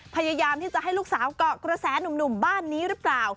พยายามที่จะให้ลูกสาวเกาะกระแสหนุ่มบ้านนี้หรือเปล่า